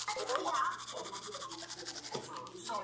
蒙哥马利是美国俄亥俄州汉密尔顿县的一座城市。